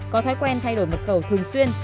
có thói quen thay đổi mật khẩu thường xuyên